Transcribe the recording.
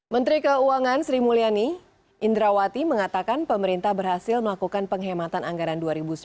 menteri keuangan sri mulyani indrawati mengatakan pemerintah berhasil melakukan penghematan anggaran dua ribu sembilan belas